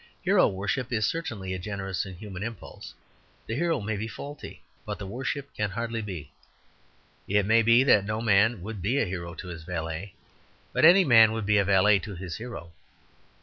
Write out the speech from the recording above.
Hero worship is certainly a generous and human impulse; the hero may be faulty, but the worship can hardly be. It may be that no man would be a hero to his valet. But any man would be a valet to his hero.